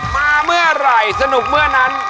มาเมื่อไหร่สนุกเมื่อนั้น